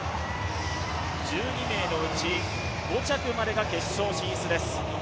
１２名のうち５着までが決勝進出です。